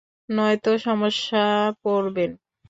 নয়তো সমস্যা পড়বেন।